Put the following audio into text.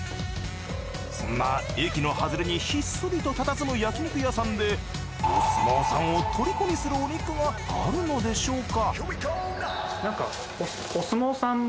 そんな駅のはずれにひっそりと佇む焼肉屋さんでお相撲さんをとりこにするお肉があるのでしょうか。